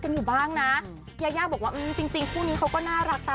กดดันไหมกันเนาะ